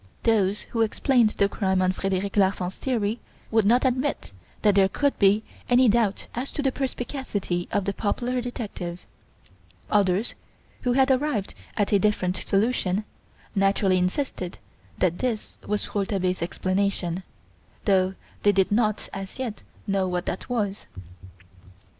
Those who explained the crime on Frederic Larsan's theory would not admit that there could be any doubt as to the perspicacity of the popular detective. Others who had arrived at a different solution, naturally insisted that this was Rouletabille's explanation, though they did not as yet know what that was.